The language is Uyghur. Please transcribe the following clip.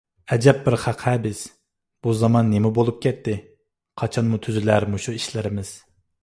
ئەجەب بىر خەق-ھە بىز! بۇ زامان نېمە بولۇپ كەتتى؟ قاچانمۇ تۈزىلەر مۇشۇ ئىشلىرىمىز؟!